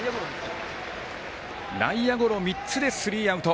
内野ゴロ３つでスリーアウト。